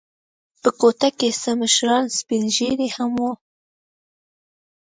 په کوټه کې څه مشران سپین ږیري هم و.